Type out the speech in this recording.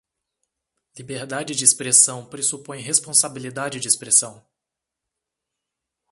Liberdade de expressão pressupõe responsabilidade de expressão